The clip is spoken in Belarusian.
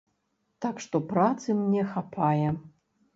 Так што працы мне хапае.